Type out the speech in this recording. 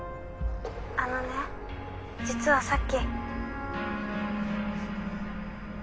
あのね実はさっき。